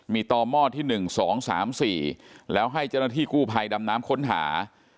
มีต่อหม้อที่๑๒๓๔แล้วให้เจ้าหน้าที่กู้ภัยดำน้ำค้นหา